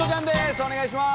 お願いします。